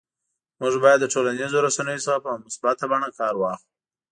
موږ باید د ټولنیزو رسنیو څخه په مثبته بڼه کار واخلو